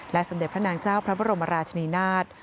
สมเด็จพระนางเจ้าพระบรมราชนีนาฏ